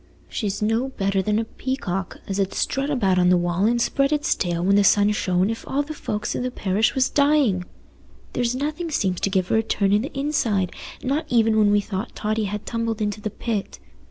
"She's no better than a peacock, as 'ud strut about on the wall and spread its tail when the sun shone if all the folks i' the parish was dying: there's nothing seems to give her a turn i' th' inside, not even when we thought Totty had tumbled into the pit.